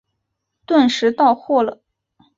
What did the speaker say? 顿时到货了